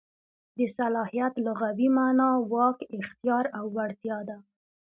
د صلاحیت لغوي مانا واک، اختیار او وړتیا ده.